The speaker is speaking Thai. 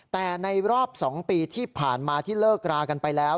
แต่ในรอบ๒ปีที่ผ่านมาที่เลิกรากันไปแล้ว